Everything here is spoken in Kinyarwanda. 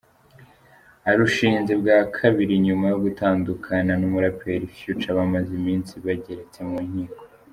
Arushinze bwa kabiri nyuma yo gutandukana n’umuraperi Future bamaze iminsi bageretse mu nkiko.